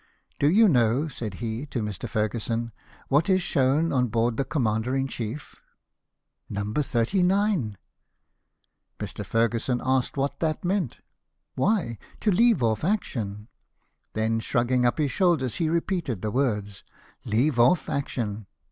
"Do you know," said he to Mr. Ferguson, " what is shown on board the commander in chief? No. 39!" Mr. Ferguson asked what that meant ?—" Why, to leave off action !" Then, shrug ging up his shoulders, he repeated the words — "Leave off action!